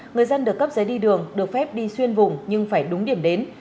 người dân được cấp giấy đi đường được phép đi xuyên vùng nhưng phải đúng điểm đến